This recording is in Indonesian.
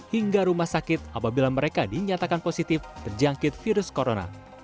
hingga rumah sakit apabila mereka dinyatakan positif terjangkit virus corona